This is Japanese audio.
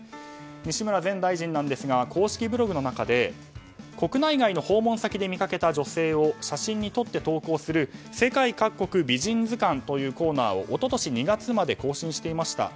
西村前大臣ですが公式ブログの中で国内外の訪問先で見つけた女性を写真にとって投稿する世界各国美人図鑑というコーナーを一昨年２月まで更新していました。